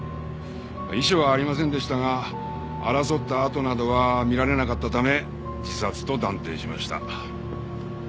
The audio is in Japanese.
まあ遺書はありませんでしたが争った跡などは見られなかったため自殺と断定しました。